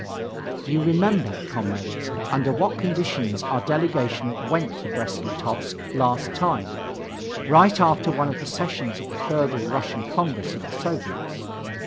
You remember, comrades, under what conditions our delegation went to Brest Litovsk last time, right after one of the sessions of the Third All Russian Congress of the Soviets.